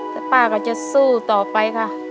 แต่ป้าก็จะสู้ต่อไปค่ะ